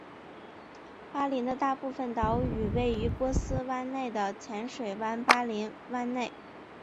巴林的大部分岛屿位于波斯湾内的浅水湾巴林湾内。